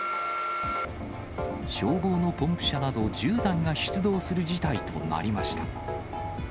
消防のポンプ車など１０台が出動する事態となりました。